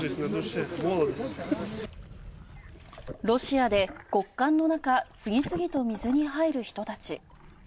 ロシアで極寒のなか、次々と水に入る人たち。